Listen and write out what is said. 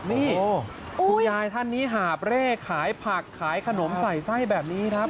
นี่คุณยายท่านนี้หาบเร่ขายผักขายขนมใส่ไส้แบบนี้ครับ